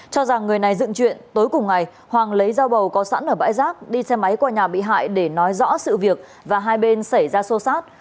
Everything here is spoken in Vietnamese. cho rằng người này dựng chuyện tối cùng ngày hoàng lấy dao bầu có sẵn ở bãi rác đi xe máy qua nhà bị hại để nói rõ sự việc và hai bên xảy ra xô xát